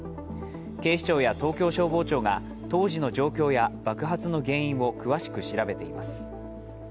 警視庁や東京消防庁が当時の状況や爆発の原因を詳しく調べています。